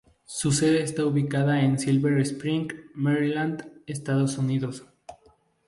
Su sede está ubicada en Silver Spring, Maryland, Estados Unidos.